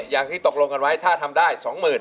อย่างที่ตกลงกันไว้ถ้าทำได้๒๐๐๐